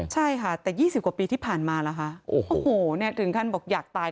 ใช่ค่ะแต่๒๐กว่าปีที่ผ่านมานะคะโอ้โหถึงค่ะบอกอยากตาย